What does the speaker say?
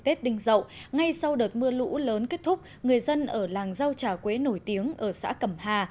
tết đinh dậu ngay sau đợt mưa lũ lớn kết thúc người dân ở làng rau trà quế nổi tiếng ở xã cẩm hà